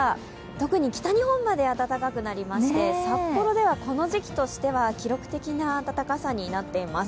特に北日本まで暖かくなりまして、札幌ではこの時期としては記録的な暖かさになっています。